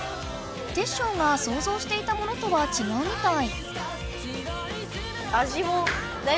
テッショウがそうぞうしていたものとはちがうみたい。